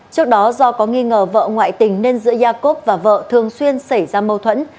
trước đó do có nghi ngờ vợ ngoại tình nên giữa jacob và vợ thường xuyên xảy ra mâu thuẫn